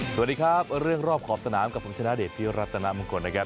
สวัสดีครับเรื่องรอบขอบสนามกับผมชนะเดชพิรัตนามงคลนะครับ